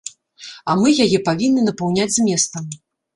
А мы яе павінны напаўняць зместам.